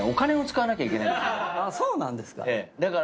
そうなんですか？